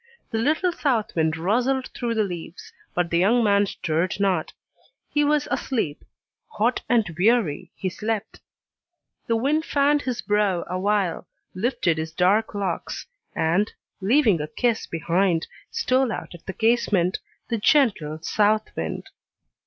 The little south wind rustled through the leaves, but the young man stirred not; he was asleep; hot and weary, he slept. The wind fanned his brow awhile, lifted his dark locks, and, leaving a kiss behind, stole out at the casement, the gentle south wind!